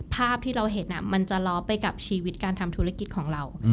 ภาพที่เราเห็นมันจะล้อไปกับชีวิตการทำธุรกิจของเรา